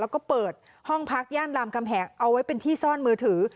แล้วก็เปิดห้องพักย่านรามคำแหงเอาไว้เป็นที่ซ่อนมือถือ